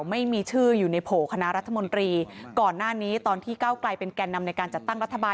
ไม่มีชื่ออยู่ในโผล่คณะรัฐมนตรีก่อนหน้านี้ตอนที่เก้าไกลเป็นแก่นำในการจัดตั้งรัฐบาล